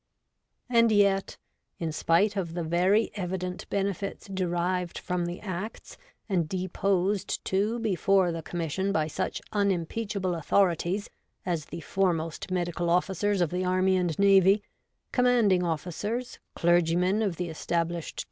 And yet, in spite of the very evident benefits de rived from the Acts and deposed to before the Com mission by such unimpeachable authorities as the foremost medical officers of the Army and Navy, commanding ofificers, clergymen of the Established 56 REVOLTED WOMAN.